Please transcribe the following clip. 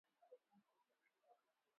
Kundi hilo limelaumiwa kwa maelfu ya vifo